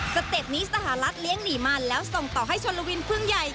เต็ปนี้สหรัฐเลี้ยงหนีมันแล้วส่งต่อให้ชนลวินพึ่งใหญ่